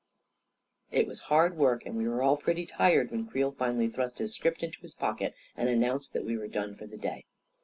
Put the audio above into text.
It was hard work, and we were all pretty tired when Creel finally thrust his script into his pocket and announced that we were done for the day.